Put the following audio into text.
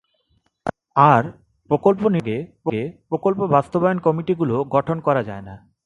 আর প্রকল্প নির্ধারণের আগে প্রকল্প বাস্তবায়ন কমিটিগুলো গঠন করা যায় না।